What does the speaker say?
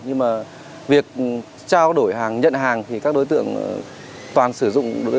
nhưng mà việc trao đổi hàng nhận hàng thì các đối tượng toàn sử dụng